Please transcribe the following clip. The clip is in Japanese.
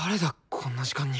こんな時間に。